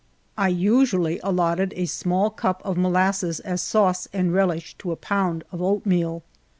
I usually allotted a small cup of molasses as sauce and relish to a pound of oatmeal.